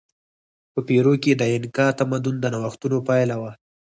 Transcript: په پیرو کې د اینکا تمدن د نوښتونو پایله وه.